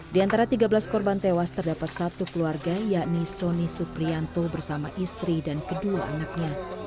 di antara tiga belas korban tewas terdapat satu keluarga yakni soni suprianto bersama istri dan kedua anaknya